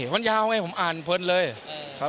วันยาวผมอ่านลึงเล่นเลย